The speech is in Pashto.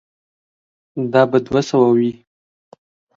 دا به دوه سوه وي.